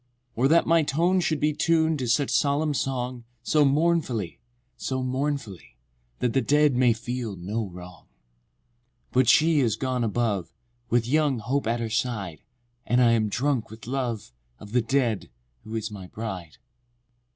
Or that my tone should be Tun'd to such solemn song So mournfully—so mournfully, That the dead may feel no wrong. VI. But she is gone above, With young Hope at her side, And I am drunk with love Of the dead, who is my bride.— VII.